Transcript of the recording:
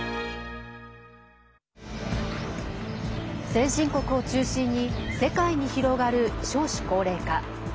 先進国を中心に世界に広がる少子高齢化。